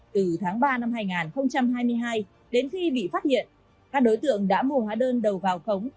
từ tháng ba năm hai nghìn hai mươi hai đến khi bị phát hiện các đối tượng đã mua hóa đơn đầu vào khống